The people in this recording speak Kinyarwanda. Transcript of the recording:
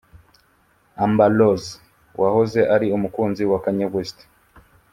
Amber Rose wahoze ari umukunzi wa Kanye West